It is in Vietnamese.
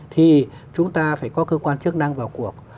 thì chúng ta phải có cơ quan chức năng vào cuộc